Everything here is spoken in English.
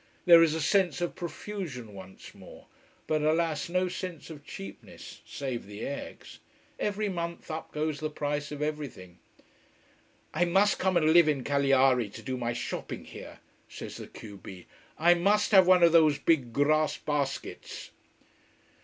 There is a sense of profusion once more. But alas no sense of cheapness: save the eggs. Every month, up goes the price of everything. "I must come and live in Cagliari, to do my shopping here," says the q b. "I must have one of those big grass baskets."